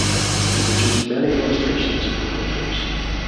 He produced many illustrations for printers.